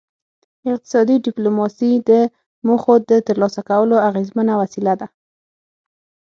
اقتصادي ډیپلوماسي د موخو د ترلاسه کولو اغیزمنه وسیله ده